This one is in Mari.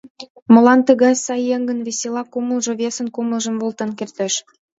Молан тыгай сай еҥын весела кумылжо весын кумылжым волтен кертеш?